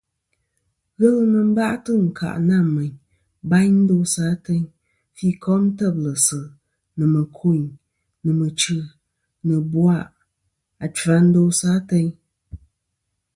Ghelɨ nɨn bâytɨ̀ ɨnkâʼ nâ mèyn bayn ndosɨ ateyn, fî kom têblɨ̀sɨ̀, nɨ̀ mɨ̀kûyn, nɨ̀ mɨchî, nɨ̀ ɨ̀bwàʼ achfɨ a ndosɨ ateyn.